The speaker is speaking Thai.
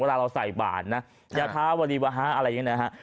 เวลาเราใส่บ่านนะยัทธาวรีวฮะอะไรอย่างนี้นะครับ